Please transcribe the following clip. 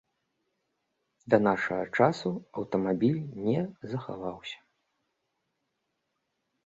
Да нашага часу аўтамабіль не захаваўся.